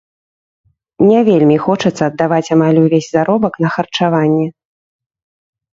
Не вельмі хочацца аддаваць амаль увесь заробак на харчаванне.